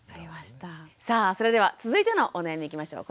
さあそれでは続いてのお悩みいきましょう。